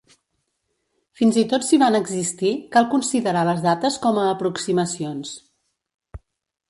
Fins i tot si van existir, cal considerar les dates com a aproximacions.